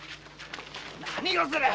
何をするっ！